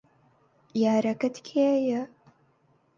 یارەکەت کێیە؟